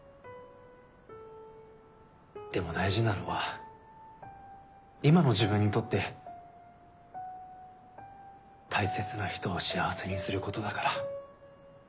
でも大事なのは今の自分にとって大切な人を幸せにすることだから。